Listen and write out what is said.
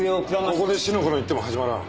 ここで四の五の言っても始まらん。